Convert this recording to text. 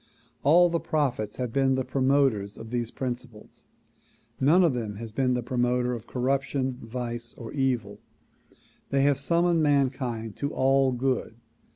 All the prophets have been the promoters of these principles; none of them has been the pro moter of corruption, vice or evil. They have summoned mankind to all good.